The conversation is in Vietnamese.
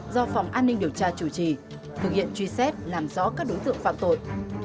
do phòng an ninh điều tra chủ trì thực hiện truy xét làm rõ các đối tượng phạm tội